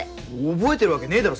覚えてるわけねぇだろ